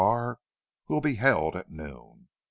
R. will be held at noon.